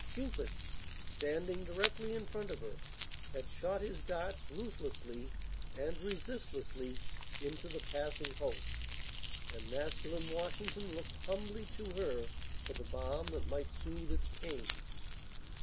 Cupid, standing directly in front of her, had shot his darts ruthlessly and resistlessly into the passing hosts, and masculine Washington looked humbly to her for the balm that might soothe its pains.